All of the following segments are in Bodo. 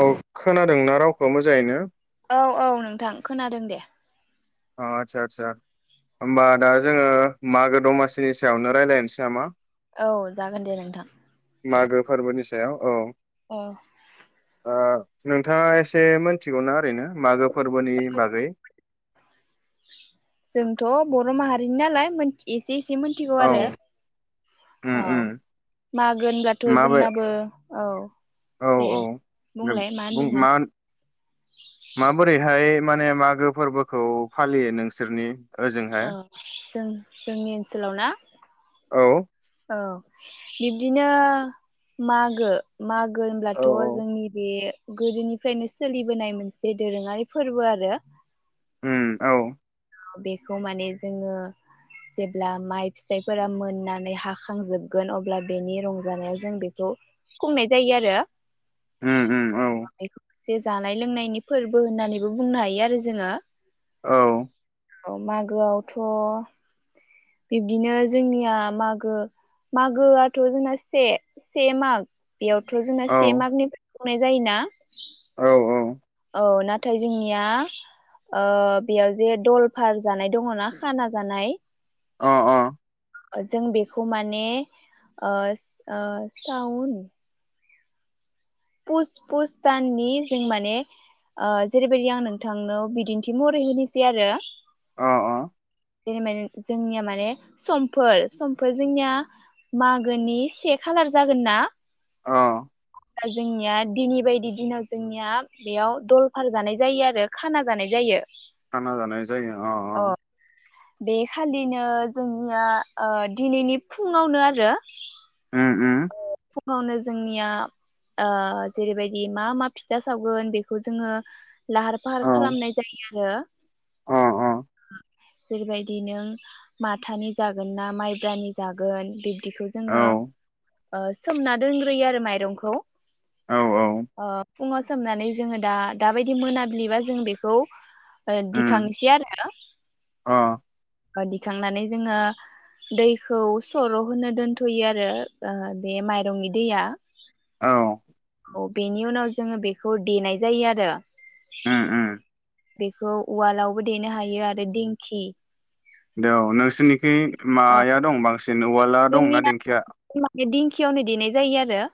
औ खोनादोंना रावखौ मोजाङैनो? औ औ नोंथां खोनादों दे। अ आदसा आदसा होमबा दा जोङो मागो दमासिनि सायावनो रायलायनोसै नामा औ जागोन दे नोंथां मागो फोरबोनि सायाव औ। अ। ओ नोंथाङा एसे मिथिगौना ओरैनो मागो फोरबोनि बागै जोंथ' बर' माहारिनि नालाय मोन्थि एसे एसे मोनथिगौ औ आरो उम औ उम मागो होनब्लाथ माबे जोंनाबो औ औ दे औ दे बुंलाय होनदोंमोन मा माबोरैहाय माने मागो फोरबोखौ फालियो नोंसोरनि औ ओजोंहाय जों जोंनि ओनसोलाव ना औ औ बिब्दिनो मागो मा गो होनब्लाथ औ औ जोंनि बे गोदोनिफ्रायनो सोलिबोनाय मोनसे दोरोङारि फोरबो आरो उम औ बेखौ माने जोङो जेब्ला माइ फिथाइफोरा मोननानै हाखांजोबगोन अब्ला बेनि रंजानायाव जों बेखौ खुंनाय जायो आरो उम उम औ बेखौ जे जानाय लोंनायनि फोरबो होननानैबो बुंनो हायो आरो जोङो औ औ मागोआवथ बिब्दिनो जोंनिया मागो मागोआथ जोंना से से माग बेयावथ' जोंना औ से माग निफ्रा गनाय जायोना? औ औ। औ नाथाय जोंनिया ओ बेयाव जे दलफार जानाय दङना खाना जानाय अ अ जों बेखौ माने ओ ओ साउन पुस पुस दाननि जों माने ओ जेरैबायदि आं नोंथांनाव बिदिन्थि महरै होनोसै आरो अ अ [unintelligible] जोंनिया माने समफोर समफोर जोंनिया मागोनि से खालार जागोन ना अ दा जोंनिया दिनै बायदि दिनाव जोंनिया बेयाव दलफार जानाय जायो आरो खाना जानाय जायो खाना जानाय जायो अ अ बे खालिनो जोंनिया दिनैनि फुङावनो आरो ओम ओम फुङावनो जोंनिया ओ जेरैबायदि मा मा फिथा सावगोन बेखौ जोङो लाहार फाहार औ खालामनाय जायो अ आरो जेरैबायदि नों माथानि जागोन ना माइब्रानि जागोन बे बिखौ औ जोङो ओ सोमना दोनग्रोयो आरो माइरंखौ औ औ [inaudible] अ फुङाव सोमनानै जोङो दा दाबायदि मोनाबिलिबा जों बेखौ दिखांसै आरो आ ओ दिखांनानै जोङो दैखौ सर होनो दोनथयो आरो ओ बे माइरंनि दैया औ औ बेनि उनाव जोङो बेखौ देनाय जायो आरो उम उम बेखौ उवालावबो देनो हायो आरो दिंखि दे औ नोंसोरनिखै माया दं बांसिन न औवाला दंना देंखिया बे दिंखियावनो देनाय जायो आरो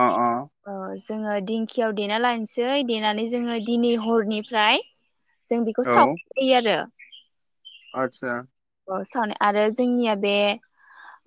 अ अ ओ जोङो दिंखियाव देना लानोसै देनानै जोङो दिनै हरनिफ्राय जों बेखौ औ सावखायो आरो आतसा औ सावनाय आरो जोंनिया बे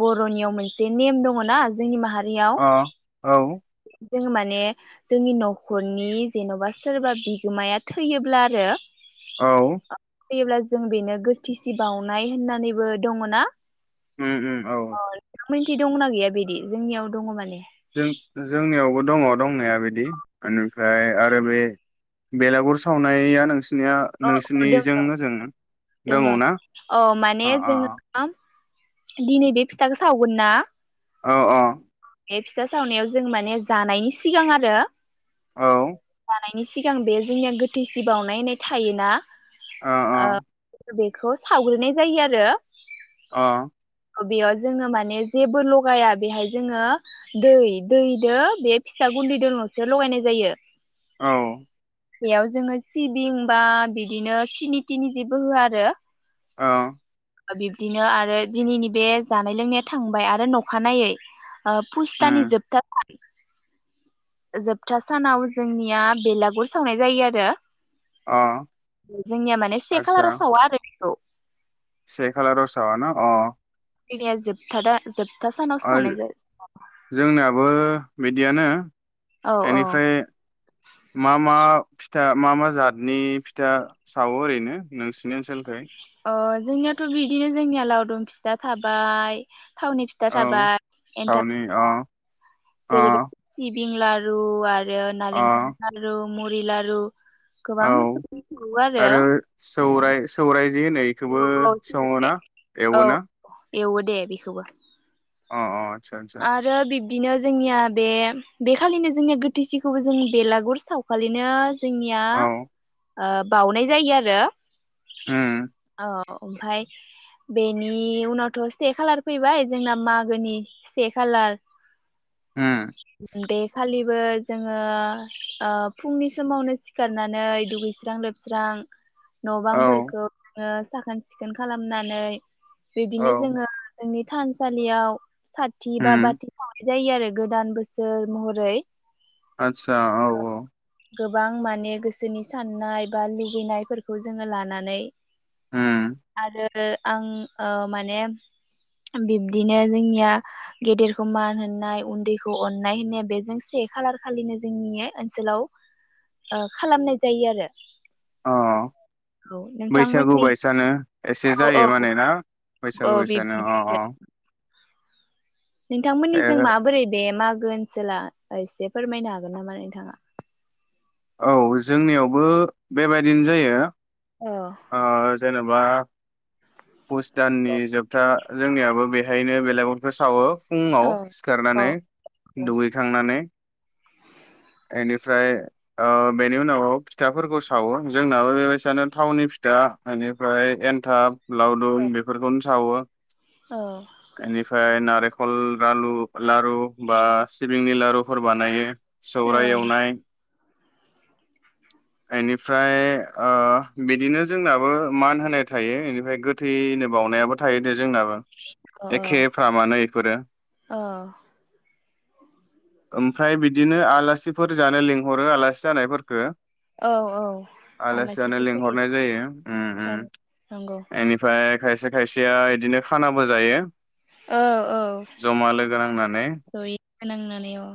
बरनियाव मोनसे नेम दङना जोंनि माहा अ औ जोङो माने जोंनि नखरनि जेनबा सोरबा बिगोमाया थैयोब्ला आरो औ फैयोब्ला जों बेनो गोथिसि बावनाय होननानैबो दङ ना? उम उम औ मोनथि दंना गैया बिदि जोंनियाव दङ माने जों जोंनियावबो दङ दंनाया बिदि निफ्राय आरो बे बेलागुर सावनाया नोंसि नोंसिनिया अ अ नोंसिनिजों दोङो जों दङ दोङो ना औ माने अ अ जोङो अ दिनै बे फिथाखौ सावगोन ना औ औ बे फिथा सावनायाव जों माने जानायनि सिगां आरो औ नि सिगां बे जोंनिया गोथै सि बावनायनाय थायोना अ आ बेखौ सावग्रोनाय जायो आरो अ बेयाव जोङो माने जेबो लगाया बेहाय जोङो दै दैजों बे फिथा गुन्दैजोंसो लगायनाय जायो औ बेयाव जोङो सिबिं बा बिदिनो सिनि तिनि जेबो होआ आरो औ बिब्दिनो आरो दिनैनि बे जानाय लोंनाया थांबाय आरो अखानायै ओ पुस्तानि उम जोबथा [unintelligible] जोबथा सानाव जोंनिया बेलागुर सावनाय जायो आरो अ जोंनिया माने से आतसा खालाराव सावा आरो। औ। से खालाराव सावा ना अ। बेदाया जोबथा दा जोब ओय जोंनाबो बेदियानो औ औ एनिफ्राय मा मा फिथा मा मा जातनि फिथा सावो ओरैनो नोंसिनि ओनसोलखै अ जोंनियाथ बिदिनो जोंनिया लावदुम फिथा थाबाय थावनि फिथा औ थाबाय थावनि अ एन्थाब अ फिथा [unintelligible] पिं लारु आर रो अ नालेंखर नारु मरि लारु गोबां औ रोखोमनि सावो आरो सौराय सौराय जे होनो बेखौबो औ सङोना औ एवोना एवो दे बेखौबो [unintelligible] आरो बिब बिदिनो जोंनिया बे बेखालिनो जोंनिया गोथैसिखौबो जों बेलागुर सावखालिनो जोंनिया औ ओ बावनाय जायो आरो उम ओमफ्राय बेनि उनावथ' से खालार फैबाय जोंना मागोनि से खालार उम देखालिब बो जोङो ओ फुंनि समावनो सिखारनानै दुगैस्रां लोबस्रां न औ बांफोरखौ साखोन सिखोन खालामनानै औ बिदिनो जोङो जोंनि थानसालियाव साथ उम [unintelligible] जायो आरो गोदान बोसोर महरै आत्सा औ-औ गोबां माने गोसोनि साननाय बा लुबैनायफोरखौ जोंङो लानानै उम आरो आरो आं माने बिब्दिनो जोंनिया गेदेरखौ मान होननाय उन्दैखौ अननाय होननाया बेजों से खालार खालिनो जोंनि ओनसोलाव ओ खालामनाय जायो आरो। अ औ बैसागु नोंथांमोननि बायसानो एसे औ औ जायो मानेना औ बैसागु बायसानो अ बिब्दिनो अ नोंथांमोननि जों ए माबोरै बे मा ओनसोला एसे फोरमायनो हागोन नामा नोंथाङा? औ जोंनियावबो बेबायदिनो जायो। औ अ जेने बा पुस दाननि औ जोबथा जोंनियाबो बेहायनो बेलागुरखौ सावो। फुंङाव औ सिखारनानै औ दुगैखांनानै बेनिफ्राय ओ बेनि उनाव फिथाफोरखौ सावो जोंनाबो बेबायसानो थावनि दा बेनिफ्राय एन्थाब लावदुम बेफोरखौनो सावो। औ एनिफ्राय नारें खल लालु लारु बा सिबिंनि लारुफोर बानायो। सौराय एवनाय बेनिफ्राय ओ बिदिनो जोंनाबो मान होनाय थायो बेनिफ्राय गोथैनो बावनायाबो थायो। जोंनाबो औ एखेफ्रामानो इफोरो औ ओमफ्राय बि बिदिनो आलासिफोर जानो लिंहरो आलासि जानायफोरखो। औ औ आलासि जानो आलासिथ' फैयो। लिंहरनाय जायो उम औ उम नंगौ इनिफाय, खायसे खायसेया इदिनो खानाबो जायो। औ औ जमा लोगो नांनानै जरि नांनानै औ।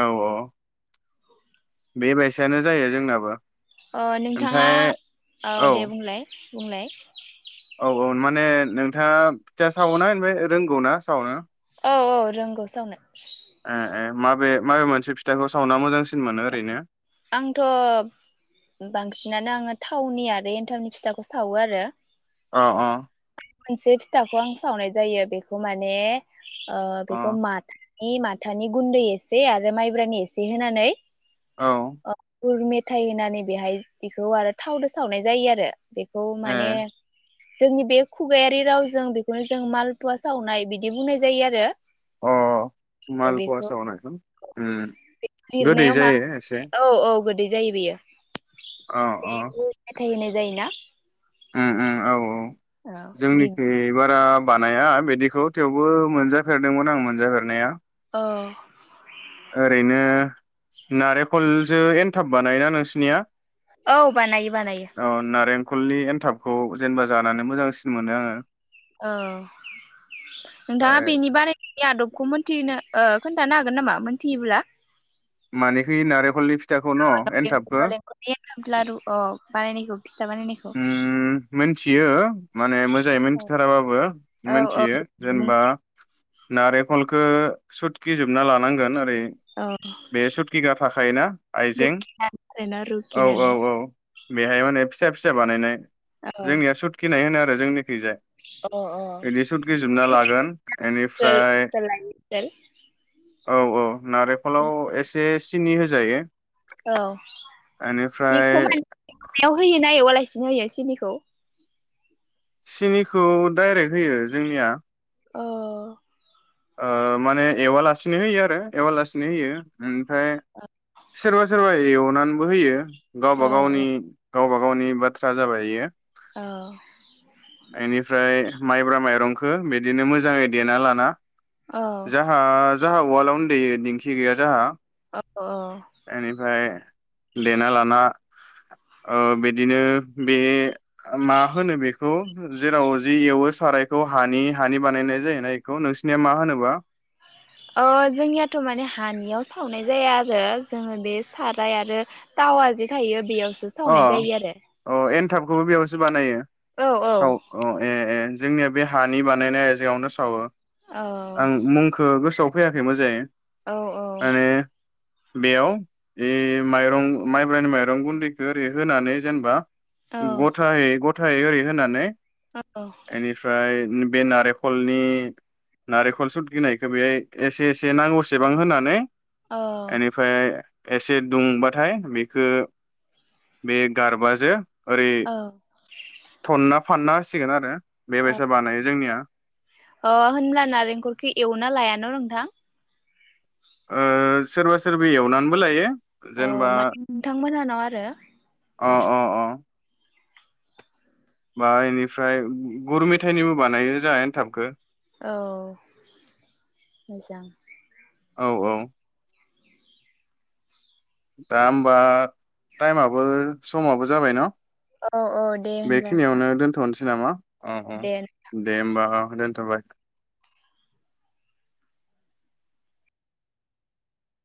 औ औ बेबायसानो जायो जोंनाबो अ नोंथाङा ओमफ्राय औ दे बुंलाय। बुंलाय औ औ माने नोंथाङा फिथा सावना ओमफ्राय रोंगौ ना सावनो औ औ रोंगौ सावनो ए ए माबे माबे मोनसे फिथाखौ सावना मोजांसिन मोनो ओरैनो, आंथ बांसिनानो आंङो थावनि आरो एन्थावनि फिथाखौ सावो आरो। अ अ मोनसे फिथाखौ आं सावनाय जायो बेखौ माने ओ बेखौ अ माथ नि माथानि गुन्दै एसे आरो माइब्रानि एसे होनानै औ ओ गुर मेथाइ होनानै बेहाय बिखौ आरो थावदो सावनाय जायो आरो बे खौ ए माने जोंनि बे खुगायारि रावजों बेखौनो जों मालपुवा सावनाय बिदि बुंनाय जायो आरो। अ मालपुवा बेखौ सावनाय उम गोदै लिरनायाव मा जायो एसे। औ औ गोदै जायो बेयो। अ बे अ गुर मेथाय होनो जायोना? उम उम औ औ। औ बि जोंनिखै बारा बानाया बिदिखौ थेवबो मोनजाफेरदोंमोन आं मोनजाफेरनाया ओ ओरैनो नारेखलजो एनथाब बानायो ना नोंसिनिया? औ बानायो बानायो खलनि एन्थाबखौ जेनेबा जानानै मोजांसिन मोनो आङो। औ नोंथाङा ओमफ्राय बेनि बानायनायनि आदब खौ मोनथिनो ओ खोन्थानो हागोन नामा मोनथियोब्ला? मानेखि नारेखलनि फि नालेंखरनि एनथाब लारु अ। बानायनायखौ फिथा बानायनायखौ उम मोनथियो माने मोजाङै औ मोनथिथाराबाबो औ औ मोनथियो जेनेबा नारेखलखो सुटकि जोबना लानांगोन ओरै औ बे सुतकिग्रा थाखायोना आइजें रुखिनानै आरोना औ औ रुखिनानै औ बेहाय माने फिसा फि पिसा बानायनाय औ जोंनिया अ सुटकिनाय होनो आरो। जोंनि खैजाय ओनसोल इदि सुटकि जोबना लागोन इनिफ्राय ओनसोल लायै नारेखलाव एसे सि सिनि होजायो औ बेनिफ्राय बेखौ माने एवनायाव होयोना एवालासि होयो सिनिखौ सिनिखौ डाइरेक्ट होयो जोंनिया ओ ओ माने एवालासिनो होयो आरो एवालासिनो होयो उम फ्राय सोरबा सोरबा एव नानबो होयो औ गावबा गावनि गावबा गावनि बाथ्रा जाबाय इयो। औ बेनिफ्राय माइब्रा माइरंखो बिदिनो मोजाङै देना लाना औ जाहाज। जाहा उवालआवनो देयो दिंखि गैया जाहा। औ औ बेनिफ्राय देना लाना ओ बिदिनो बे मा होनो बेख खौ जेराव जि एवो सारायखौ हानि हानि बानायनाय जायोना इखौ नोंसिनिया मा होनोबा? ओ जोंनियाथ माने हानियाव सावनाय जाया आरो जोङो बे साराय आरो टावा जे थायो बेयाव अ अ एनथाब खौबो बेयावसो बानायो। औ औ साव अ ए ए जोंनिया बे हानि बानायनाय आयजेङावनो सावो। औ आं मुंखौ गोसोआव फैयाखै मोजायै औ औ बेयाव ए माइरं माइब्रानि माइरं गुन्दै ओरै होनानै जेनबा औ गथाहै ग थाय ओरै होनानै एनिफ्राय ओम बे नारेखलनि नारेखल सुदकिनायखो बेहाय एसे एसे नांगौसेबां होनानै औ एनिफाय एसे दुंबाथाय बेखो बे गारबाजो ओरै औ थनाब फानना होसिगोन आरो बेबायसा बानायो जोंनिया ओ अ होनब्ला नारेंखलखौ एवना लायान नोंथां? ओ सोरबा सोरबि एवनानैबो लायो। औ जेनेबा माने नोंथांमोनहानाव आरो अ अ अ बा बेनिफ्राय गुर मेथायाइनिबो बानायो जोंया एन्थाबखौ औ मोजां। औ औ दा होमबा टाइमाबो समाबो जाबाय न औ औ दे होनब्ला नोंथां बेखिनियावनो दोनथ'नोसै नामा अ अ दे दे होमबा थाबाय